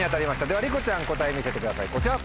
ではりこちゃん答え見せてくださいこちら。